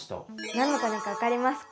何のタネか分かりますか？